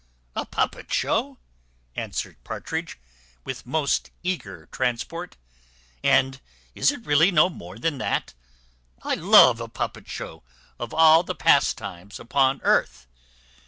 "A puppet show!" answered Partridge, with most eager transport. "And is it really no more than that? I love a puppet show of all the pastimes upon earth.